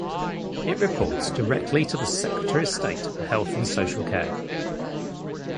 It reports directly to the Secretary of State for Health and Social Care.